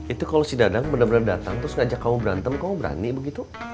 itu kalau si dadang bener bener datang ngeajak kamu berantem kamu berani begitu